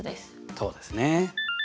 そうですね。